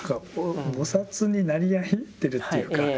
菩になり合ってるというか。